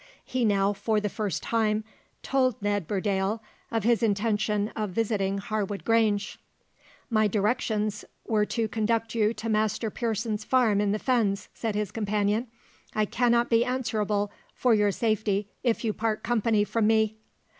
He now, for the first time, told Ned Burdale of his intention of visiting Harwood Grange. "My directions were to conduct you to Master Pearson's farm in the fens," said his companion. "I cannot be answerable for your safety if you part company from me."